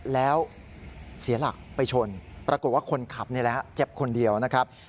แล้วเสียหลักไปชนปรากฏว่าคนขับนี่แหละเจ็บคนเดียวนะครับ